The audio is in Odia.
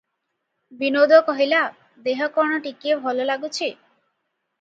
ବିନୋଦ କହିଲା- "ଦେହ କଣ ଟିକିଏ ଭଲ ଲାଗୁଚି?